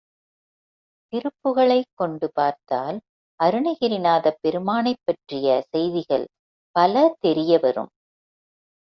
திருப்புகழைக் கொண்டு பார்த்தால் அருணகிரி நாதப் பெருமானைப் பற்றிய செய்திகள் பல தெரியவரும்.